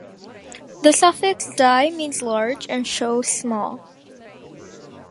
The suffix -"dai" means "large" and -"sho" "small".